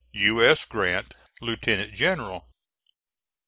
U. S. GRANT, Lieutenant General.